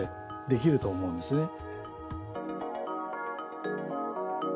できると思うんですね。